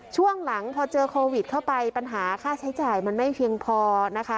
ช่วงหลังพอเจอโควิดเข้าไปปัญหาค่าใช้จ่ายมันไม่เพียงพอนะคะ